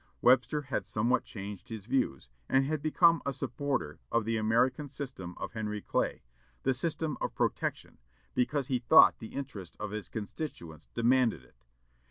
Webster had somewhat changed his views, and had become a supporter of the "American System" of Henry Clay, the system of "protection," because he thought the interests of his constituents demanded it.